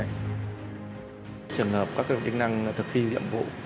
trường hợp các cơ quan chức năng thực thi nhiệm vụ